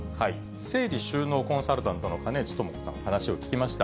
整理収納コンサルタントの金内朋子さん、話を聞きました。